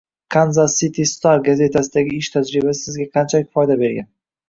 Kansas City Star gazetasidagi ish tajribasi sizga qanchalik foyda bergan